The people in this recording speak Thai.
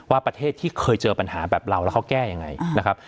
ว่าประเทศที่เคยเจอปัญหาแบบเราแล้วเขาแก้ยังไงนะครับ